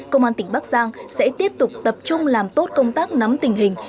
công an tỉnh bắc giang sẽ tiếp tục tập trung làm tốt công tác nắm tình hình